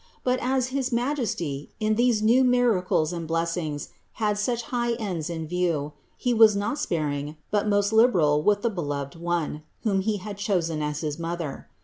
But as his Majesty, in these new miracles and blessings had such high ends in view, He was not sparing but most liberal with the beloved One, whom He had chosen as his Mother.